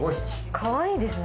かわいいですね。